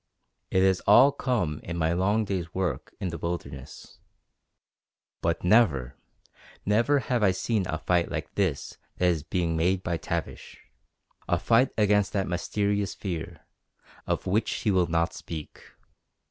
It has all come in my long day's work in the wilderness. But never, never have I seen a fight like this that is being made by Tavish a fight against that mysterious fear, of which he will not speak.